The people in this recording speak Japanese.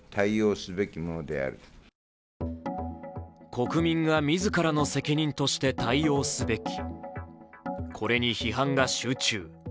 国民が自らの責任として対応すべき、これに批判が集中。